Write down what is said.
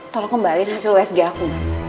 tolong kembaliin hasil usg aku mas